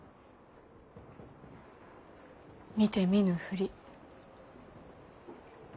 見て見ぬふり。